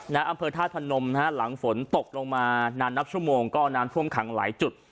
อำเภอธาตุพนมนะฮะหลังฝนตกลงมานานนับชั่วโมงก็น้ำท่วมขังหลายจุด